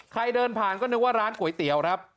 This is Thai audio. ใครเดินผ่านก็นึกว่าร้านก๋วยเตี๋ยวครับ